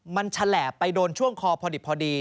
มันแฉลบไปโดนช่วงคอพอดิบพอดี